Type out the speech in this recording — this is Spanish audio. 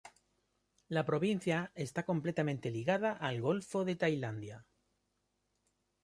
La Provincia está completamente ligada al Golfo de Tailandia.